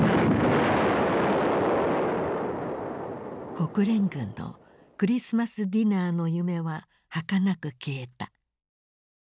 国連軍のクリスマス・ディナーの夢ははかなく消えた。